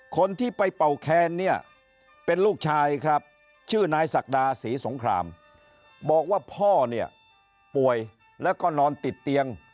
คนที่ไปเป่าแคนเนี่ยเป็นลูกชายครับชื่อนายศักดาศรีสงครามบอกว่าพ่อเนี่ยป่วยแล้วก็นอนติดเตียง